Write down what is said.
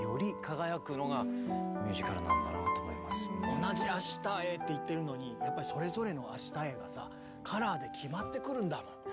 同じ「明日へ」って言ってるのにやっぱりそれぞれの「明日へ」がさカラーで決まってくるんだもん。